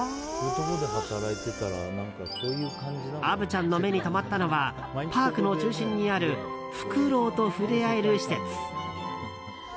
虻ちゃんの目に留まったのはパークの中心にあるフクロウと触れ合える施設。